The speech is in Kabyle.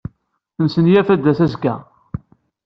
Tesmenyaf ad d-tas azekka.